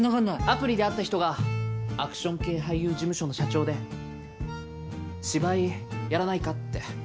アプリで会った人がアクション系俳優事務所の社長で芝居やらないかって。